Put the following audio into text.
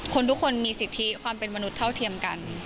ทุกคนมีสิทธิความเป็นมนุษย์เท่าเทียมกัน